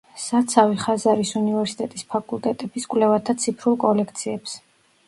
საცავი ხაზარის უნივერსიტეტის ფაკულტეტების კვლევათა ციფრულ კოლექციებს.